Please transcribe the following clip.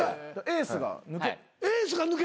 エースが抜けるの？